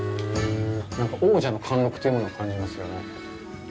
なんか王者の貫禄というものを感じますよね。